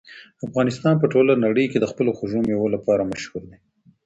افغانستان په ټوله نړۍ کې د خپلو خوږو مېوو لپاره مشهور دی.